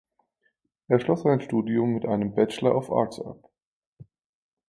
Er schloss sein Studium mit einem Bachelor of Arts ab.